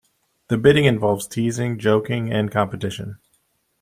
The bidding involves teasing, joking, and competition.